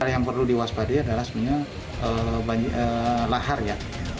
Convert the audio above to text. yang perlu diwaspadai adalah sebenarnya lahar ya